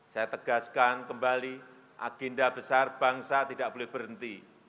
saya tegaskan kembali agenda besar bangsa tidak boleh berhenti